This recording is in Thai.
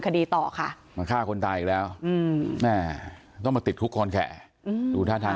คดีต่อค่ะมาฆ่าคนตายอีกแล้วแม่ต้องมาติดคุกคอนแข่ดูท่าทาง